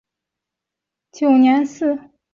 后于光绪二十九年祠。